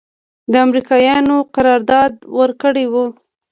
امریکایانو قرارداد ورکړی و.